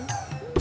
biasa aja meren